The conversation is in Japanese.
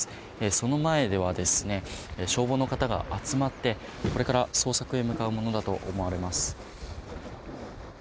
その前では消防の方が集まってこれから捜索へ向かうものだと思われます。